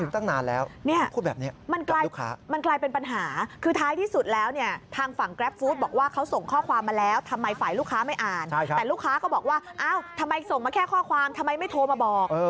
แต่ลูกค้าก็บอกว่าทำไมส่งมาแค่ข้อความทำไมไม่โทรมาบอก